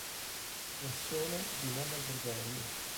Persone di nome Gregorio